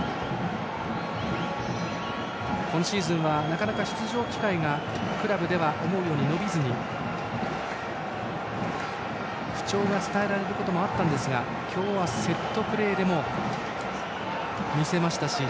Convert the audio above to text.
今シーズンはなかなか出場機会がクラブでは伸びずに不調が伝えられることもあったんですが今日はセットプレーでも見せましたし。